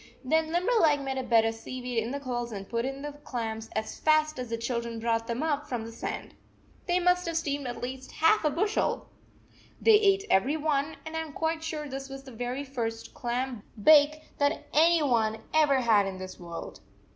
Then Limberleg made a bed of seaweed in the coals and put in the clams as fast as the children brought them up from the sand. They must have steamed at least half a bushel ! They ate every one, and I am quite sure this was the very first clam bake that any one ever had in this world.